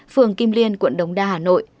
phường kim liên quận đống đa hà nội